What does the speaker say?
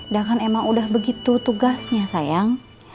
dakan emma udah begitu tugasnya sayang